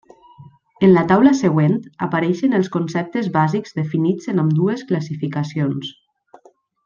En la taula següent apareixen els conceptes bàsics definits en ambdues classificacions.